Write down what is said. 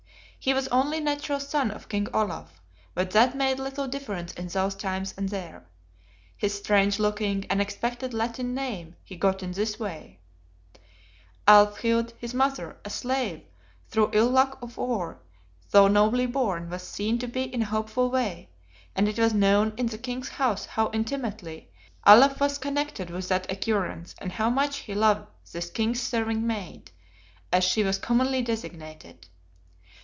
He was only natural son of King Olaf but that made little difference in those times and there. His strange looking, unexpected Latin name he got in this way: Alfhild, his mother, a slave through ill luck of war, though nobly born, was seen to be in a hopeful way; and it was known in the King's house how intimately Olaf was connected with that occurrence, and how much he loved this "King's serving maid," as she was commonly designated.